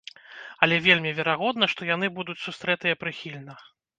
Але вельмі верагодна, што яны будуць сустрэтыя прыхільна.